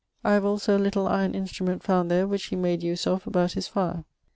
I have also a litle iron instrument found there which he made use of about his fire.